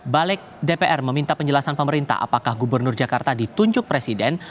balik dpr meminta penjelasan pemerintah apakah gubernur jakarta ditunjuk presiden